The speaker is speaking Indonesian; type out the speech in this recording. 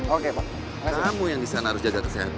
oke pak masuk kamu yang disana harus jaga kesehatan